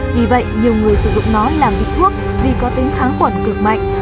vì vậy nhiều người sử dụng nó làm bị thuốc vì có tính kháng khuẩn cực mạnh